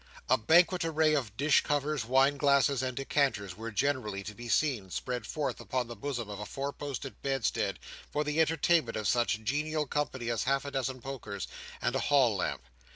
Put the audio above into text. A banquet array of dish covers, wine glasses, and decanters was generally to be seen, spread forth upon the bosom of a four post bedstead, for the entertainment of such genial company as half a dozen pokers, and a hall lamp.